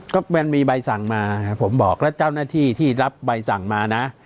ก็มันมีใบสั่งมาผมบอกแล้วเจ้าหน้าที่ที่รับใบสั่งมานะ